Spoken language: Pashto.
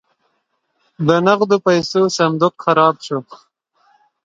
د نغدو پیسو صندوق خراب شو.